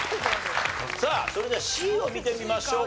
さあそれではＣを見てみましょうか。